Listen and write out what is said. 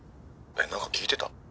「なんか聞いてた？」